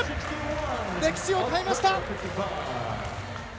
歴史を変えました！